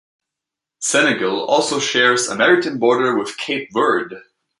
Senegal also shares a maritime border with Cape Verde.